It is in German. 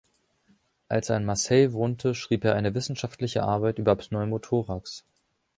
Als er in Marseille wohnte, schrieb er eine wissenschaftliche Arbeit über Pneumothorax.